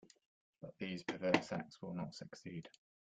But these perverse acts will not succeed.